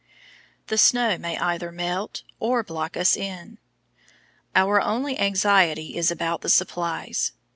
The snow may either melt or block us in. Our only anxiety is about the supplies.